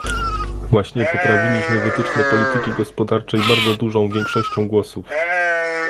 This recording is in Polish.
Właśnie poprawiliśmy wytyczne polityki gospodarczej bardzo dużą większością głosów